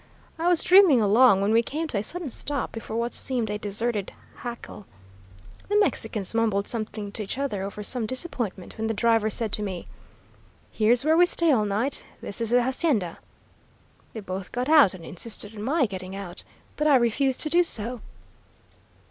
I was dreaming along when we came to a sudden stop before what seemed a deserted jacal. The Mexicans mumbled something to each other over some disappointment, when the driver said to me: "'Here's where we stay all night. This is the hacienda.' They both got out and insisted on my getting out, but I refused to do so.